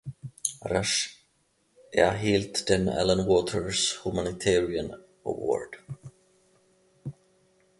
Rush erhielt den Allan Waters Humanitarian Award.